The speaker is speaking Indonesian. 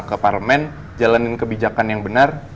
karena dia gak mau